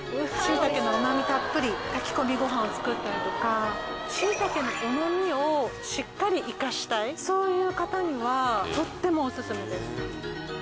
しいたけの旨みたっぷり炊き込みご飯を作ったりとかしいたけの旨みをしっかり生かしたいそういう方にはとってもオススメです。